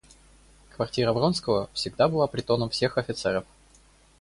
Квартира Вронского всегда была притоном всех офицеров.